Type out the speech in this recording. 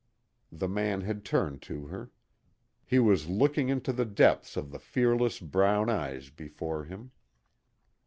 The man had turned to her. He was looking into the depths of the fearless brown eyes before him.